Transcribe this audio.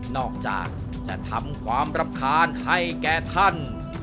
อกจากจะทำความรำคาญให้แก่ท่าน